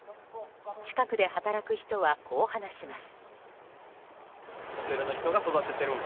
近くで働く人は、こう話します。